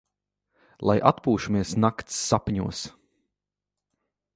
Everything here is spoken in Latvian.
Lai atpūšamies nakts sapņos!